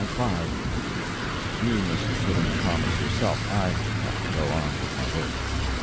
You must put in the commas yourself; I have to go on with my work.